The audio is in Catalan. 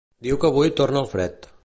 Diu que avui torna el fred